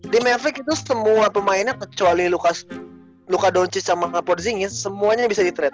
di mavericks itu semua pemain tercuali lukadoncis sama laporzingis semuanya bisa di threat